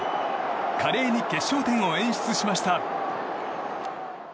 華麗に決勝点を演出しました。